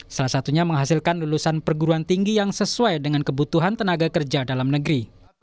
salah satunya menghasilkan lulusan perguruan tinggi yang sesuai dengan kebutuhan tenaga kerja dalam negeri